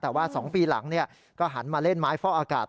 แต่ว่า๒ปีหลังก็หันมาเล่นไม้ฟอกอากาศ